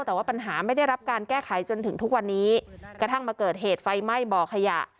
แต่ว่าปัญหาไม่ได้รับการแก้ไขจนถึงทุกวันนี้กระทั่งมาเกิดเหตุไฟไหม้บ่อขยะ